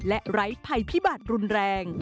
และไร้ภัยพิบัติรุนแรง